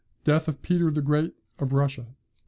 Death of Peter the Great of Russia.